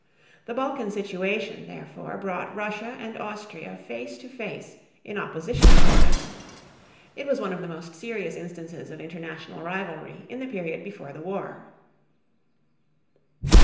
The Balkan situation, therefore, brought Russia and Austria face to face in opposition to each other. It was one of the most serious instances of international rivalry in the period before the war.